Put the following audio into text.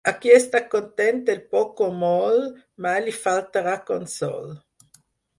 A qui està content del poc o molt, mai li faltarà consol.